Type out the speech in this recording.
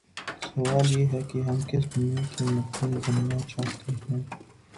سوال یہ ہے کہ ہم کس دنیا کے مکین بننا چاہتے ہیں؟